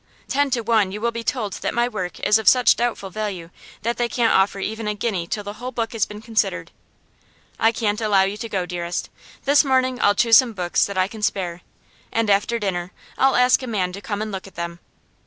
Ten to one you will be told that my work is of such doubtful value that they can't offer even a guinea till the whole book has been considered. I can't allow you to go, dearest. This morning I'll choose some books that I can spare, and after dinner I'll ask a man to come and look at them.